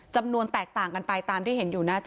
แตกต่างกันไปตามที่เห็นอยู่หน้าจอ